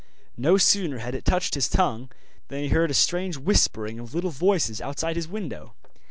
No sooner had it touched his tongue than he heard a strange whispering of little voices outside his window.